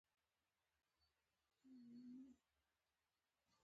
تعلیم انسان له تیارو وباسي.